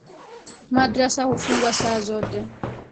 Madrasa hufungwa saa zote